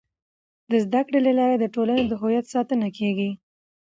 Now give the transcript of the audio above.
د زده کړې له لارې د ټولنې د هویت ساتنه کيږي.